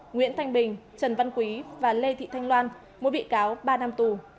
nguyễn thanh bình trần văn quý và lê thị thanh loan mỗi bị cáo ba năm tù